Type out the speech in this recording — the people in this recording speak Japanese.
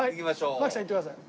槙さん行ってください。